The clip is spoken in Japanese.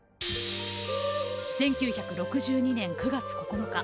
１９６２年９月９日。